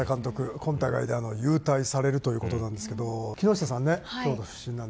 今大会で勇退されるということなんですけど、木下さんね、京都出身なんで。